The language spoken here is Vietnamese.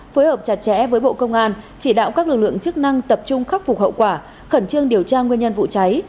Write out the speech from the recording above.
phối hợp chặt chẽ với bộ công an chỉ đạo các lực lượng chức năng tập trung khắc phục hậu quả khẩn trương điều tra nguyên nhân vụ cháy